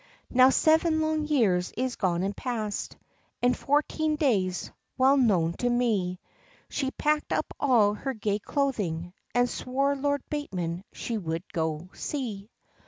Now seven long years is gone and past, And fourteen days, well known to me; She packed up all her gay clothing, And swore Lord Bateman she would go see.